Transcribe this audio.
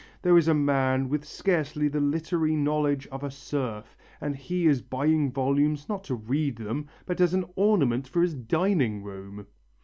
There is a man with scarcely the literary knowledge of a serf, and he is buying volumes, not to read them, but as an ornament for his dining room!